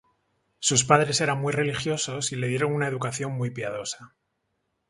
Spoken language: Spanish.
Sus padres eran muy religiosos y le dieron una educación muy piadosa.